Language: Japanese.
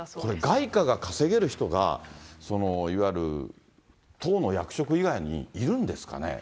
外貨が稼げる人が、いわゆる党の役職以外にいるんですかね。